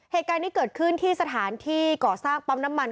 เหตุการณ์นี้เกิดขึ้นที่สถานที่ก่อสร้างปั๊มน้ำมัน